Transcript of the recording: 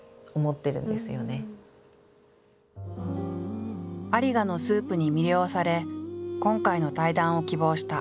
有賀のスープに魅了され今回の対談を希望した飯豊。